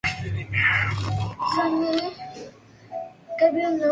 Esta lealtad a Octavio otorgó a la legión el cognomen de "Augusta".